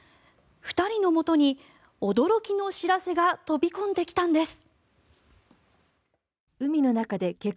２人のもとに驚きの知らせが飛び込んできたんです。